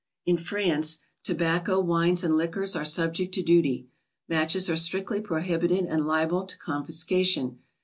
In France, tobacco, wines and liquors are subject to duty. Matches are strictly prohibited and lialble to confisca tion.